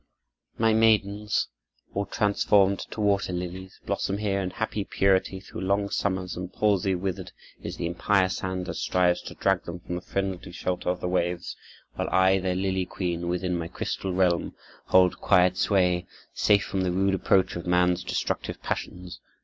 My maidens, all transformed to water lilies, blossom here in happy purity through long summers, and palsy withered is the impious hand that strives to drag them from the friendly shelter of the waves; while I, their lily queen, within my crystal realm hold quiet sway, safe from the rude approach of man's destructive passions.